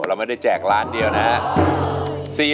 เราไม่ได้แจกล้านเดียวนะครับ